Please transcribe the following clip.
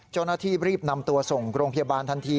เจ้าหน้าที่รีบนำตัวส่งโรงพยาบาลทันที